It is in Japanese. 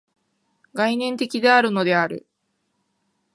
概念的であるのである。